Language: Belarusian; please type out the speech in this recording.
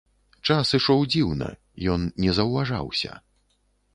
Час ішоў дзіўна, ён не заўважаўся.